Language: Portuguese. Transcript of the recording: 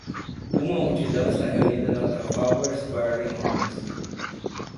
Uma multidão está reunida na Trafalgar Square, em Londres.